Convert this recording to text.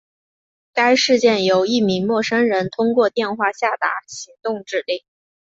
该事件由一名陌生人通过电话下达行动指令。